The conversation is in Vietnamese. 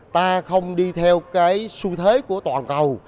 ta không đi theo cái xu thế của toàn cầu